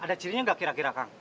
ada cirinya nggak kira kira kang